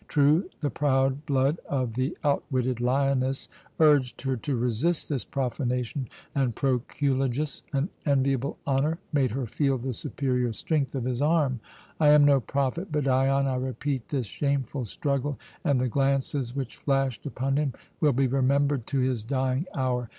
True, the proud blood of the outwitted lioness urged her to resist this profanation, and Proculejus an enviable honour made her feel the superior strength of his arm. I am no prophet, but Dion, I repeat, this shameful struggle and the glances which flashed upon him will be remembered to his dying hour.